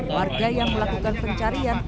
warga yang melakukan pencarian